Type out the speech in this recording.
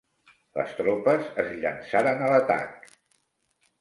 Les tropes es llançaren a l'atac.